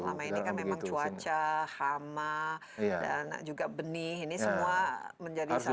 selama ini kan memang cuaca hama dan juga benih ini semua menjadi salah satu